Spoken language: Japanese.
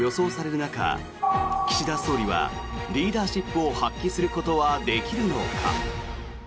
中岸田総理はリーダーシップを発揮することはできるのか。